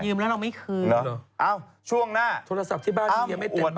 ยืมแล้วเราไม่คืนเหรออ้าวช่วงหน้าโทรศัพท์ที่บ้านอยู่ยังไม่แต่นบ้านเหรอ